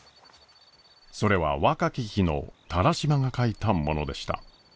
それは若き日の田良島が書いたものでした。